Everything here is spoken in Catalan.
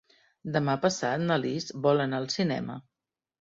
Demà passat na Lis vol anar al cinema.